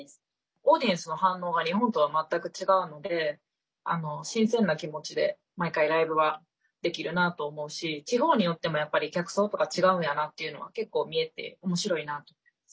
オーディエンスの反応が日本とは全く違うので新鮮な気持ちで毎回、ライブはできるなと思うし地方によっても、やっぱり客層とか違うんやなっていうのは結構、見えておもしろいなって思います。